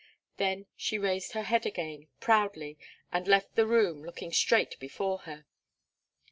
Then she raised her head again, proudly, and left the room, looking straight before her.